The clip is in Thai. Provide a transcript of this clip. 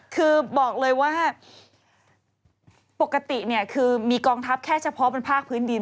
คือบอกเลยว่าปกติเนี่ยคือมีกองทัพแค่เฉพาะเป็นภาคพื้นดิน